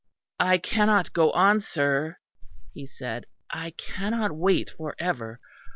"I cannot go on, sir," he said, "I cannot wait for ever.